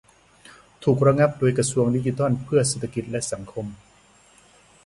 ถูกระงับโดยกระทรวงดิจิทัลเพื่อเศรษฐกิจและสังคม